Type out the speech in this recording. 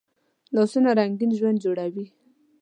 لاسونه رنګین ژوند جوړوي